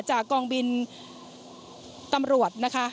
จากกองบินตำรวจนะคะ